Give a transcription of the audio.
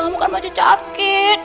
kamu kan masih sakit